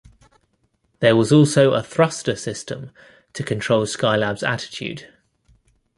There was also a thruster system to control Skylab's attitude.